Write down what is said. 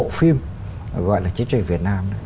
các bộ phim gọi là chương trình việt nam đó